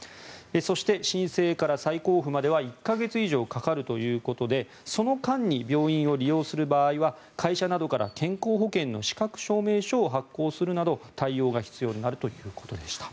そして、申請から再交付までは１か月以上かかるということでその間に病院を利用する場合は会社などから健康保険の資格証明書を発行するなど対応が必要になるということでした。